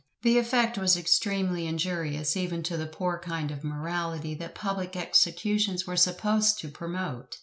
The effect was extremely injurious even to the poor kind of morality that public executions were supposed to promote.